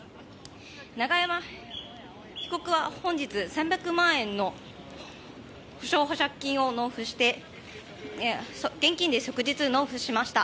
永山被告は本日、３００万円の保釈保証金を納付して現金で即日納付しました。